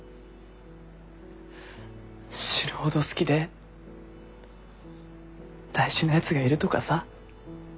死ぬほど好きで大事なやつがいるとかさ。